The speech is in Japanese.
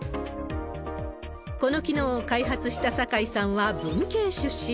この機能を開発した酒井さんは文系出身。